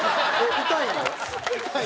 痛いの？